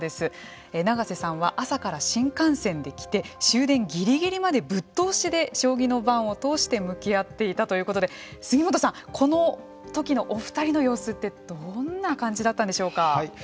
永瀬さんは朝から新幹線で来て終電ギリギリまでぶっ通しで将棋の盤を通して向き合っていたということで杉本さん、この時のお２人の様子ってどんな感じだったんでしょうか。